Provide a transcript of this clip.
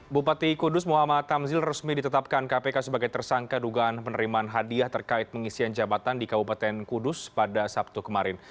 bupati kudus muhammad tamzil resmi ditetapkan kpk sebagai tersangka dugaan penerimaan hadiah terkait pengisian jabatan di kabupaten kudus pada sabtu kemarin